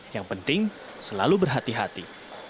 yang penting selalu berhati hati